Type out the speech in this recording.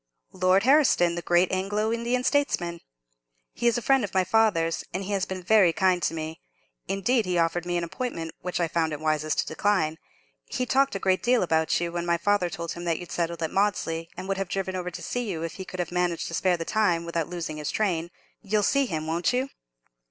"Lord Herriston, the great Anglo Indian statesman. He is a friend of my father's, and he has been very kind to me—indeed, he offered me an appointment, which I found it wisest to decline. He talked a great deal about you, when my father told him that you'd settled at Maudesley, and would have driven over to see you if he could have managed to spare the time, without losing his train. You'll see him, won't you?"